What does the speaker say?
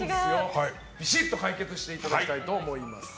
ビシッと解決していただきたいと思います。